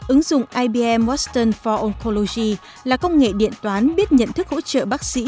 ứng dụng ibm orston for oncology là công nghệ điện toán biết nhận thức hỗ trợ bác sĩ